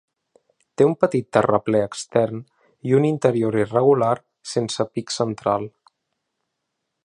Té un petit terraplè extern i un interior irregular sense pic central.